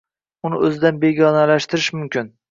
uni o‘zidan begonalashtirish mumkin